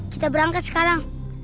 kita berangkat sekarang